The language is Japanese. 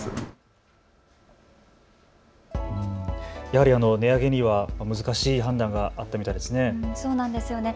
やはり値上げには難しい判断があったみたいですね。